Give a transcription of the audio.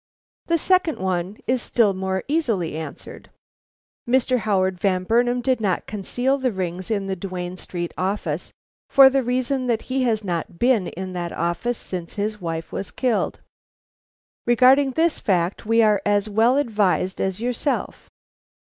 The second one is still more easily answered. Mr. Howard Van Burnam did not conceal the rings in the Duane Street office for the reason that he has not been in that office since his wife was killed. Regarding this fact we are as well advised as yourself.